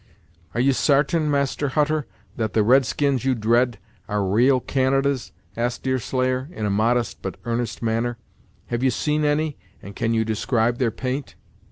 "Are you sartain, Master Hutter, that the red skins you dread are ra'al Canadas?" asked Deerslayer, in a modest but earnest manner. "Have you seen any, and can you describe their paint?"